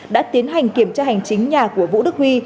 đã tiến hành kiểm tra hành chính nhà của vũ đức huy